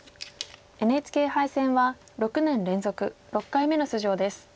ＮＨＫ杯戦は６年連続６回目の出場です。